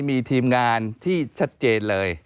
มีทีมงานที่ชัดเจนเลย